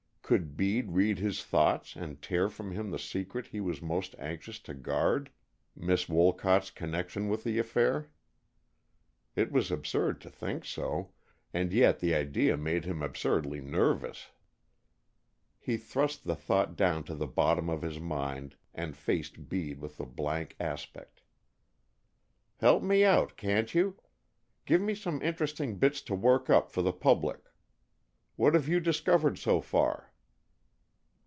Could Bede read his thoughts and tear from him the secret he was most anxious to guard, Miss Wolcott's connection with the affair? It was absurd to think so, and yet the idea made him absurdly nervous. He thrust the thought down to the bottom of his mind and faced Bede with a blank aspect. "Help me out, can't you? Give me some interesting bits to work up for the public. What have you discovered so far?"